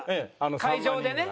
会場でね。